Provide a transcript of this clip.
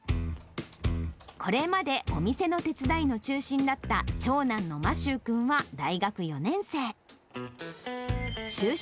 これまでお店の手伝いの中心だった長男の麻愁君は大学４年生。